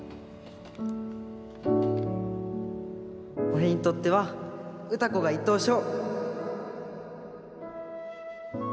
俺にとっては歌子が１等賞。